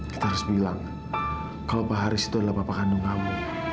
kita harus bilang kalau pak haris itu adalah bapak kandung kamu